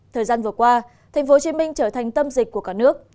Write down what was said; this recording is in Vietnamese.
thời gian vừa qua tp hcm trở thành tâm dịch của cả nước